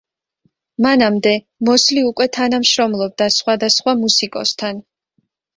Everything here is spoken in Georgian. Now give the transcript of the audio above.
მანამდე მოსლი უკვე თანამშრომლობდა სხვადასხვა მუსიკოსთან.